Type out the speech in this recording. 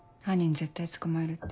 絶対捕まえるって。